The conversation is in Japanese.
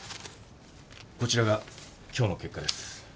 こちらが今日の結果です。